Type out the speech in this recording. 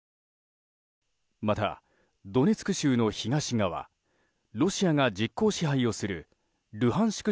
また、ドネツク州の東側ロシアが実効支配をするルハンシク